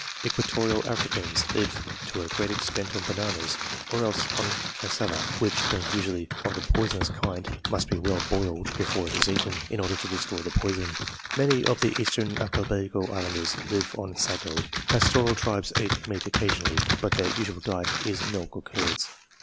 Equatorial Africans live to a great extent on bananas, or else on cassava, which, being usually of the poisonous kind, must be well boiled xvi PREFATORY CHAPTER before it is eaten, in order to destroy the poison. Many of the Eastern Archipelago islanders live on sago. Pastoral tribes eat meat occasionally, but their usual diet is milk or curds.